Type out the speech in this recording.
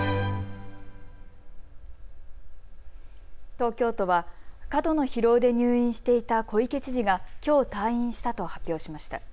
東京都は過度の疲労で入院していた小池知事がきょう退院したと発表しました。